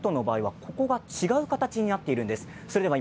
ただ京座布団の場合はここが違う形になっているんです。